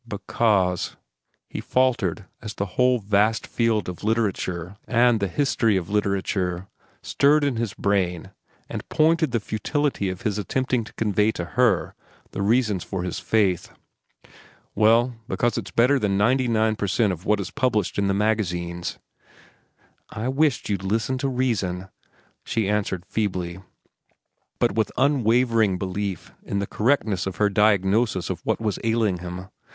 "Because—" He faltered as the whole vast field of literature and the history of literature stirred in his brain and pointed the futility of his attempting to convey to her the reasons for his faith. "Well, because it's better than ninety nine per cent of what is published in the magazines." "I wish't you'd listen to reason," she answered feebly, but with unwavering belief in the correctness of her diagnosis of what was ailing him.